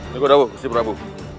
silikon bukti prabu